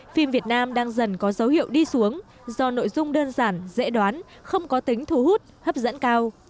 phim việt nam đang dần có dấu hiệu đi xuống do nội dung đơn giản dễ đoán không có tính thu hút hấp dẫn cao